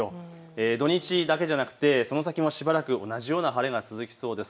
土日だけじゃなくてその先もしばらく同じような晴れが続きそうです。